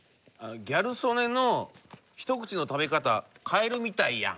ギャル曽根のひと口の食べ方カエルみたいやん。